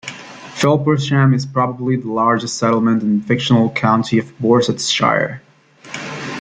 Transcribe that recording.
Felpersham is probably the largest settlement in the fictional county of Borsetshire.